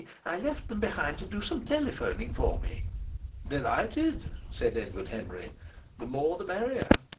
"I left them behind to do some telephoning for me." "Delighted!" said Edward Henry. "The more the merrier!"